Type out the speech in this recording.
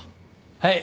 はい。